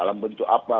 dalam bentuk apa